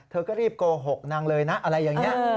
เธอก็รีบโกหกนางเลยนะอะไรอย่างนี้